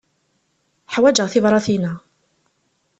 Ḥwaǧeɣ tibratin-a.